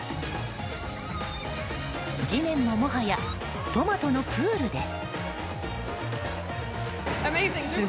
地面も、もはやトマトのプールです。